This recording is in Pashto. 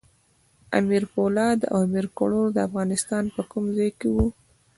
امیر پولاد او امیر کروړ د افغانستان په کوم ځای کې وو؟